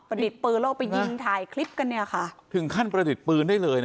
ประดิษฐ์ปืนเราก็ไปยิงถ่ายคลิปกันเนี้ยคะถึงขั้นประดิษฐ์ปืนได้เลยน่ะ